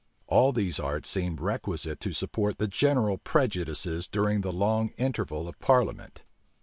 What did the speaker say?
All these arts seemed requisite to support the general prejudices during the long interval of parliament.